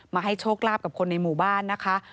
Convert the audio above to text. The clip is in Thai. ให้โชคลาภกับคนในหมู่บ้านนะคะ